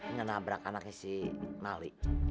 ngenabrak anaknya si mali